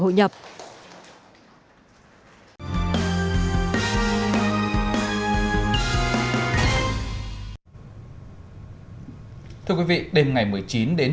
thưa quý vị đêm ngày một mươi chín đến trưa ngày hai mươi tháng bảy các khu vực trên địa bàn tỉnh yên bái có mưa có nơi mưa rất to và rộng gây thiệt hại về nhà cửa của người dân